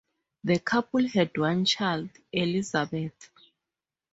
The couple had one child, Elizabeth.